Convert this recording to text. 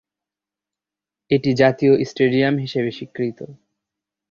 এটি জাতীয় স্টেডিয়াম হিসেবে স্বীকৃত।